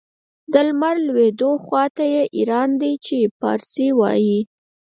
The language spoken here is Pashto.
د لمر لوېدو خواته یې ایران دی چې پارسي وايي.